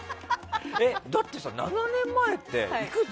だってさ、７年前っていくつ？